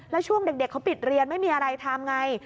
แล้วช่วงเด็กเขาปิดเรียนไม่มีอะไรทำไง